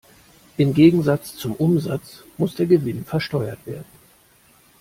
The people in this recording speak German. Im Gegensatz zum Umsatz muss der Gewinn versteuert werden.